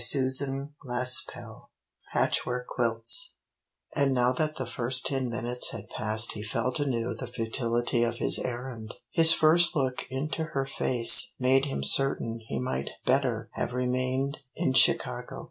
CHAPTER XXXVIII PATCHWORK QUILTS And now that the first ten minutes had passed he felt anew the futility of his errand. His first look into her face made him certain he might better have remained in Chicago.